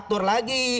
dan dikuasai lagi